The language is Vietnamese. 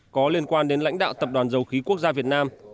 có liên quan đến lãnh đạo tập đoàn dầu khí quốc gia việt nam